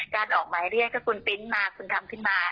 การออกหมายเรียกถ้าคุณปริ้นต์มาคุณทำขึ้นมา